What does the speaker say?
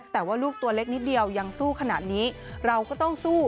แต่ว่าลูกตัวเล็กนิดเดียวยังสู้ขนาดนี้เราก็ต้องสู้